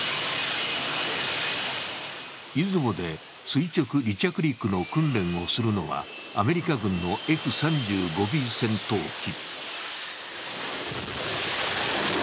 「いずも」で垂直離着陸の訓練をするのはアメリカ軍のＦ３５Ｂ戦闘機。